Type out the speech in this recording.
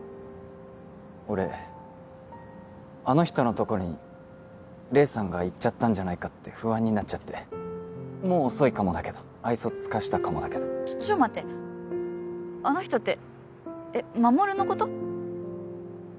俺あの人のとこに黎さんが行っちゃったんじゃないかって不安になっちゃってもう遅いかもだけど愛想尽かしたかもだけどちょっ待ってあの人ってえっ衛のこと？